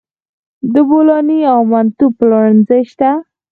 د بولاني او منتو پلورنځي شته